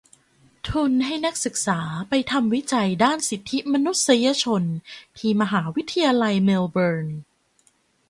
ทุนให้นักศึกษาไปทำวิจัยด้านสิทธิมนุษยชนที่มหาวิทยาลัยเมลเบิร์น